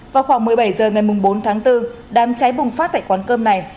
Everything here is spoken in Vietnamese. vào khoảng một mươi bảy h ngày bốn tháng bốn đám cháy bùng phát tại quán cơm này